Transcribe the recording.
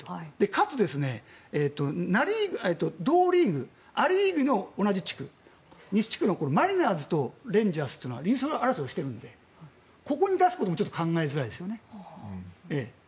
かつ、同リーグア・リーグの同じ地区西地区のマリナーズとレンジャースは争っているのでここに出すことも考えづらいですね。